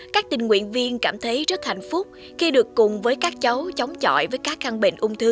các tình nguyện viên cảm thấy rất hạnh phúc khi được cùng với các cháu chống chọi với các căn bệnh ung thư